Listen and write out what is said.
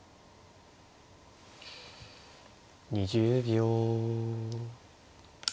２０秒。